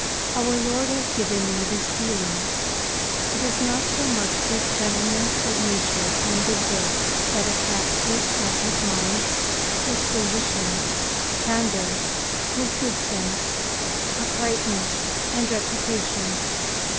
Our Lord has given me this feeling. It is not so much this gentleman's good nature and good birth that attracts me as his mind, disposition, candour, his good sense, uprightness, and reputation.